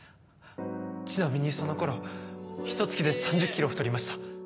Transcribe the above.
ちなみにその頃ひと月で３０ｋｇ太りました。